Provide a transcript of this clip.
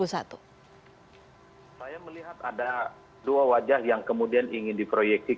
saya melihat ada dua wajah yang kemudian ingin diproyeksi